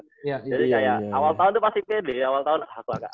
jadi kayak awal tahun tuh pasti pede